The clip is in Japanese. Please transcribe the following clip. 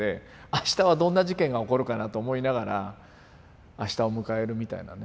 あしたはどんな事件が起こるかなと思いながらあしたを迎えるみたいなね。